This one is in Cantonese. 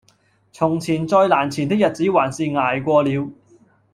從前再難纏的日子還是捱過了